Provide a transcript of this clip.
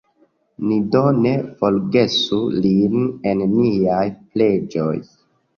Ni do ne forgesu lin en niaj preĝoj.